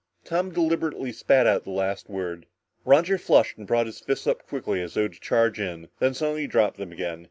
Tom deliberately spat out the last word. Roger flushed and brought his fists up quickly as though to charge in, then suddenly dropped them again.